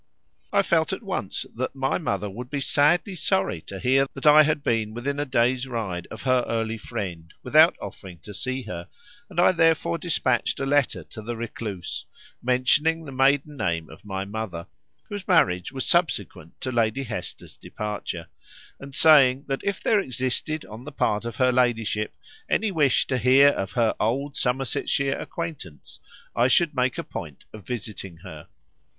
I felt at once that my mother would be sadly sorry to hear that I had been within a day's ride of her early friend without offering to see her, and I therefore despatched a letter to the recluse, mentioning the maiden name of my mother (whose marriage was subsequent to Lady Hester's departure), and saying that if there existed on the part of her ladyship any wish to hear of her old Somersetshire acquaintance, I should make a point of visiting her.